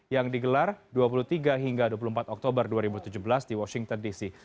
yang digelar dua puluh tiga hingga dua puluh empat oktober dua ribu tujuh belas di washington dc